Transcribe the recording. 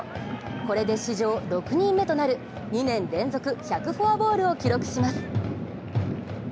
これで史上６人目となる２年連続１００フォアボールを記録します。